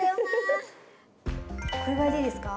これぐらいでいいですか？